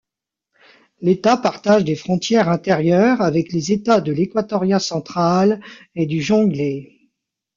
L'État partage des frontières intérieures avec les états de l'Équatoria-Central et du Jonglei.